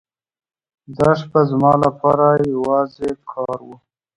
دا شپه زما لپاره یوازې کار و.